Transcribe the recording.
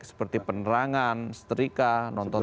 seperti penerangan seterika nonton tv